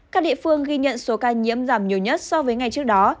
các địa phương ghi nhận số ca nhiễm giảm nhiều nhất so với ngày trước đó